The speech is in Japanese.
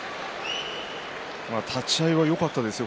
立ち合いよかったですよ。